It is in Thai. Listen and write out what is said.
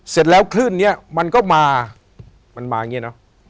เสร็จแล้วคลื่นนี้มันก็มามันมาอย่างนี้เนอะ